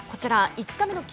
５日目の霧